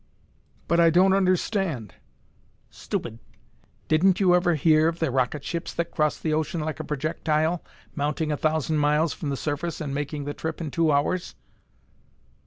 "But I don't understand." "Stupid. Didn't you ever hear of the rocket ships that cross the ocean like a projectile, mounting a thousand miles from the surface and making the trip in two hours?"